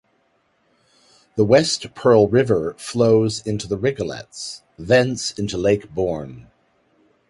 The West Pearl River flows into The Rigolets, thence into Lake Borgne.